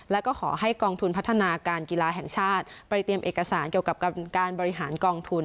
แล้วก็ขอให้กองทุนพัฒนาการกีฬาแห่งชาติไปเตรียมเอกสารเกี่ยวกับการบริหารกองทุน